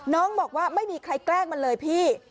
น้องบอกว่าไม่มีใครแกล้งมันเลยพี่